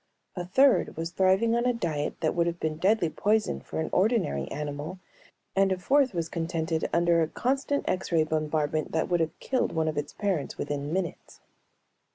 A third was thriving on a diet that would have been deadly poison for an ordinary animal and a fourth was contented under a constant X ray bombardment that would have killed one of its parents within minutes.